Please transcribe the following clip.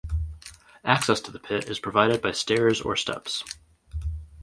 Access to the pit is provided by stairs or steps.